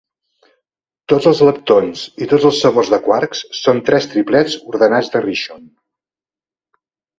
Tots els leptons i tots els sabors de quarks son tres triplets ordenats de Rishon.